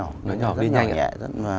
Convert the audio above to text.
nói nhỏ đi nhanh